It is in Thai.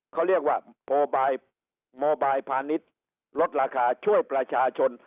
เขาเรียกว่าโมบายพาณิชย์ลดราคาช่วยประชาชน